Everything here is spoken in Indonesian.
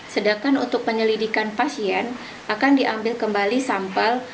sedangkan untuk penyelidikan pasien akan diambil kembali sambal